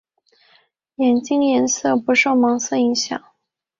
眼镜颜色不受毛色影响。